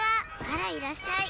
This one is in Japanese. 「あらいらっしゃい」。